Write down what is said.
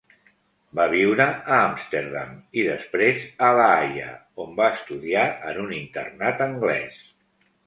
Va viure a Amsterdam i després a La Haia, on va estudiar en un internat anglès.